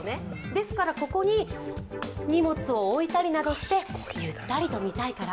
ですから、ここに荷物を置いたりなどして、ゆったりと見たいから。